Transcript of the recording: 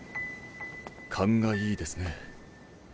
勘がいいですね。